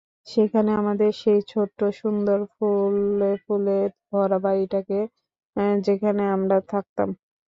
সেখানে আমাদের সেই ছোট্ট সুন্দর ফুলে ফুলে ভরা বাড়িটাকে, যেখানে আমরা থাকতাম।